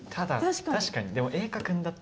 確かに。